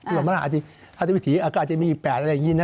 หรือว่าอาจวิถีก็อาจจะมีอีก๘อะไรอย่างนี้